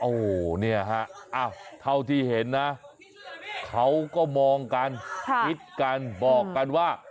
โอ้โหเนี่ยฮะเท่าที่เห็นนะเขาก็มองกันคิดกันบอกกันว่า